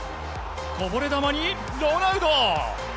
こぼれ球に、ロナウド！